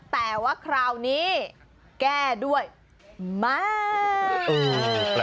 แต่ว่าคราวนี้แก้ด้วยมาก